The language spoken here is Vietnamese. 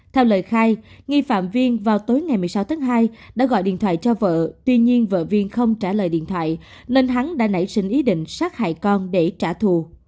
theo lời khai nghi phạm viên vào tối ngày một mươi sáu tháng hai đã gọi điện thoại cho vợ tuy nhiên vợ viên không trả lời điện thoại nên hắn đã nảy sinh ý định sát hại con để trả thù